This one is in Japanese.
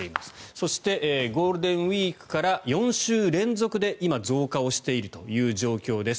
そして、ゴールデンウィークから４週連続で今、増加をしているという状況です。